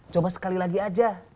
coba sekali lagi aja